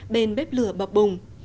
bên bếp lửa bọc bùng